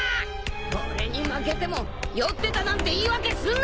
俺に負けても酔ってたなんて言い訳すんなよ！